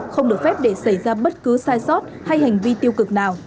không được phép để xảy ra bất cứ sai sót hay hành vi tiêu cực nào